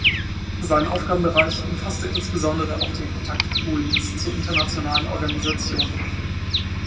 Sein Aufgabenbereich umfasste insbesondere auch den Kontakt Polens zu internationalen Organisationen.